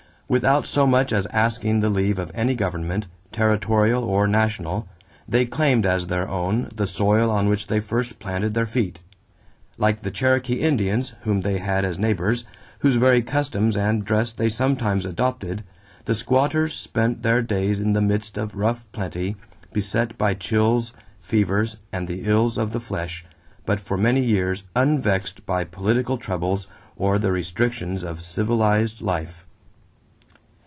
Without so much as asking the leave of any government, territorial or national, they claimed as their own the soil on which they first planted their feet. Like the Cherokee Indians, whom they had as neighbors, whose very customs and dress they sometimes adopted, the squatters spent their days in the midst of rough plenty, beset by chills, fevers, and the ills of the flesh, but for many years unvexed by political troubles or the restrictions of civilized life.